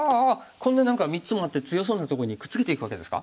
こんな何か３つもあって強そうなとこにくっつけていくわけですか？